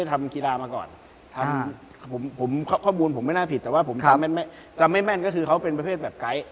เป็นราวเป็นประเภทไกด์อะไรพวกนี้แค่นั้นเอง